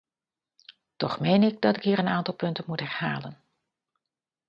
Toch meen ik dat ik hier een aantal punten moet herhalen.